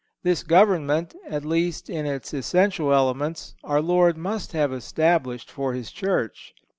This government, at least in its essential elements, our Lord must have established for His Church.